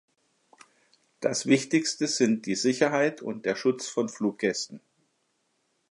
Das wichtigste sind die Sicherheit und der Schutz von Fluggästen.